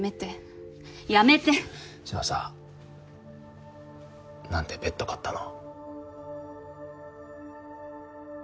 じゃあさ何でベッド買ったの？